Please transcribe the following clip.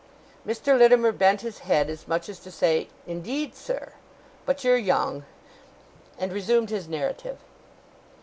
Mr. Littimer bent his head, as much as to say, 'Indeed, sir? But you're young!' and resumed his narrative.